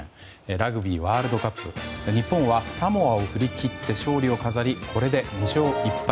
ラグビーワールドカップ日本はサモアを振り切って勝利を飾り、これで２勝１敗。